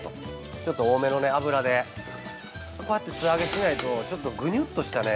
ちょっと多めのね、油でこうやって素揚げしないとちょっとぐにゅっとしたね